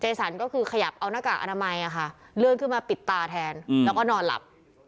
สันก็คือขยับเอาหน้ากากอนามัยเลื่อนขึ้นมาปิดตาแทนแล้วก็นอนหลับ